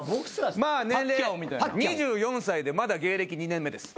まあ年齢２４歳でまだ芸歴２年目です。